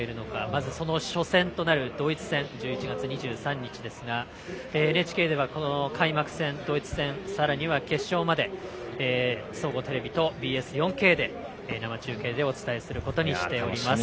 まず、その初戦となるドイツ戦は１１月２３日ですがＮＨＫでは開幕戦、ドイツ戦さらには、決勝まで総合テレビとＢＳ４Ｋで生中継でお伝えすることにしています。